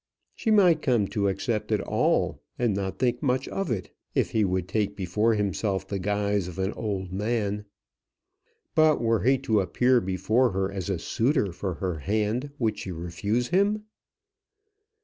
She might come to accept it all and not think much of it, if he would take before himself the guise of an old man. But were he to appear before her as a suitor for her hand, would she refuse him?